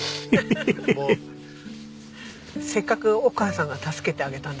せっかくお母さんが助けてあげたんだからね